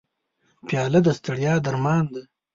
پیاله د ستړیا درمان ده.